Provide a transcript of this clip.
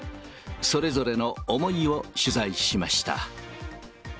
それぞれの思いを取材しました。